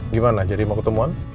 gimana jadi mau ketemuan